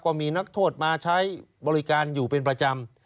ก็มีนักโทษมาใช้บริการอยู่เป็นประจำ